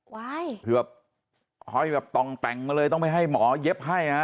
ไว้เผื่อห้อยแบบตองแต่งมาเลยต้องไปให้หมอย็บให้นะฮะ